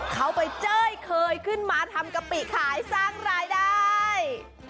เขาไปเจ้ยเคยขึ้นมาทำกะปิขายสร้างรายได้